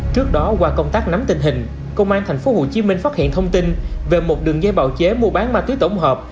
trước đó qua công tác nắm tình hình công an tp hcm phát hiện thông tin về một đường dây bào chế mua bán ma túy tổng hợp